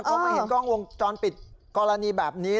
พอมาเห็นกล้องวงจรปิดกรณีแบบนี้